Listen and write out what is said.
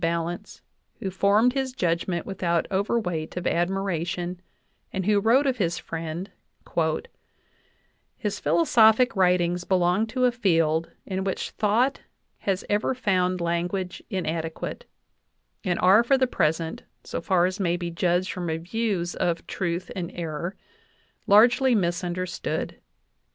VIII balance, who formed his judgment without overweight of admiration, and who wrote of his friend : "His philosophic writings belong to a field in which thought has ever found language inadequate, and are for the present, so far as may be judged from reviews of 'Truth and Error/ largely misunder stood.